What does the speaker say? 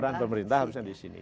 peran pemerintah harusnya di sini